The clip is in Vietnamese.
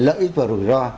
lợi ích và rủi ro